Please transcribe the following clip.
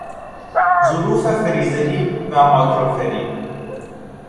ظروف فریزری و ماکروفری